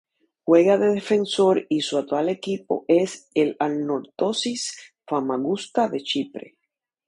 Juega de Defensor y su actual equipo es el Anorthosis Famagusta de Chipre.